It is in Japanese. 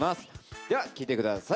では聴いて下さい。